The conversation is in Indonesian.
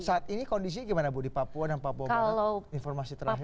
saat ini kondisi gimana bu di papua dan papua barat informasi terakhir